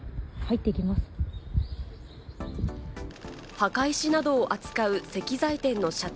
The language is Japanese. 墓石などを扱う石材店の社長